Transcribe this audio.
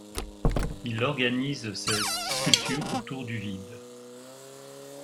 Il organise cette sculpture autour du vide.